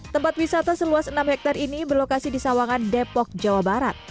tempat wisata seluas enam hektare ini berlokasi di sawangan depok jawa barat